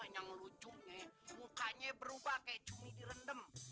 yang lucung mukanya berubah kayak cumi direndam